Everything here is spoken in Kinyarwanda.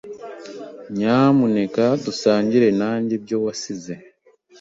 Nyamuneka dusangire nanjye ibyo wasize